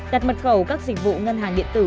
đặt mật khẩu các dịch vụ ngân hàng điện tử